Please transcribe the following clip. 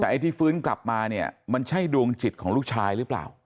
แต่ไอ้ที่ฟื้นกลับมาเนี่ยมันใช่ดวงจิตของลูกชายหรือเปล่า